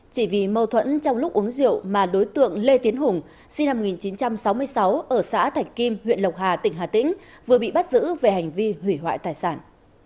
chỉ vì mâu thuẫn trong lúc uống rượu mà đối tượng lê tiến hùng sinh năm một nghìn chín trăm sáu mươi sáu ở xã thạch kim huyện lộc hà tỉnh hà tĩnh vừa bị bắt giữ về hành vi hủy hoại tài sản